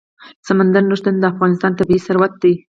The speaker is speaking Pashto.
سمندر نه شتون د افغانستان طبعي ثروت دی.